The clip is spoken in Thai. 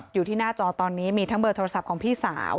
อยู่ที่หน้าจอตอนนี้มีทั้งเบอร์โทรศัพท์ของพี่สาว